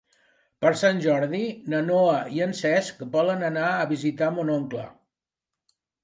Per Sant Jordi na Noa i en Cesc volen anar a visitar mon oncle.